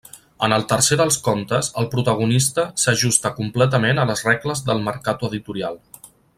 En el tercer dels contes, el protagonista s'ajusta completament a les regles del mercat editorial.